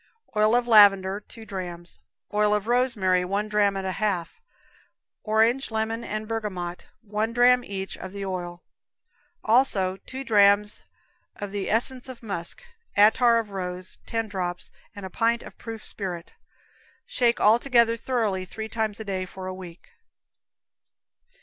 Oil of lavender, two drams; oil of rosemary, one dram and a half; orange, lemon and bergamot, one dram each of the oil; also two drams of the essence of musk, attar of rose, ten drops, and a pint of proof spirit. Shake all together thoroughly three times a day for a week.